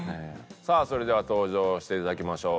さあそれでは登場していただきましょう。